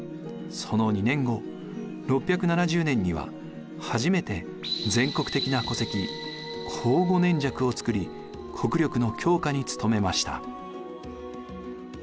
その２年後６７０年には初めて全国的な戸籍庚午年籍をつくり国力の強化に努めました。